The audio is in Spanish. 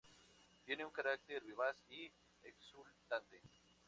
Tiene un carácter vivaz y exultante.